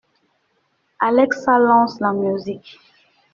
Alexa, lance la musique.